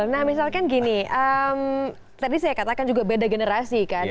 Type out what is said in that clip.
nah misalkan gini tadi saya katakan juga beda generasi kan